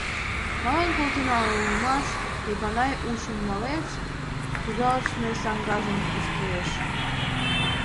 — Мален колтенам улмаш, — Эпанай ушым налеш, пӱжалтше саҥгажым ӱштылеш.